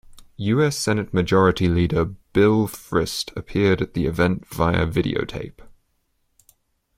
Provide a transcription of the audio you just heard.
U. S. Senate Majority Leader Bill Frist appeared at the event via videotape.